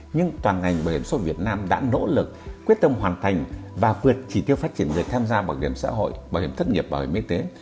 nhưng toàn ngành bảo hiểm xã hội việt nam đã nỗ lực quyết tâm hoàn thành và vượt chỉ tiêu phát triển người tham gia bảo hiểm xã hội bảo hiểm thất nghiệp bảo hiểm y tế